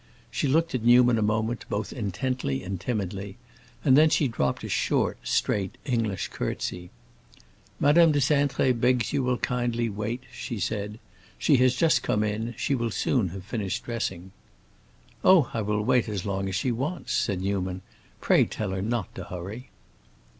She looked at Newman a moment, both intently and timidly, and then she dropped a short, straight English curtsey. "Madame de Cintré begs you will kindly wait," she said. "She has just come in; she will soon have finished dressing." "Oh, I will wait as long as she wants," said Newman. "Pray tell her not to hurry."